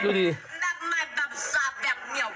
เอเนอร์ที่สุดมากค่ะน้อง